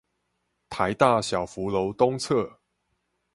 臺大小福樓東側